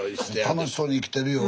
楽しそうに生きてるよ。